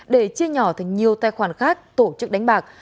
để chia nhỏ thành nhiều tài khoản khác tổ chức đánh bạc